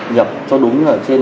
nhập cho đúng ở trên